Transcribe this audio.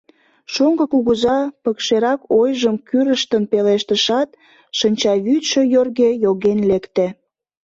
Шоҥго кугыза пыкшерак ойжым кӱрыштын пелештышат, шинчавӱдшӧ йорге йоген лекте.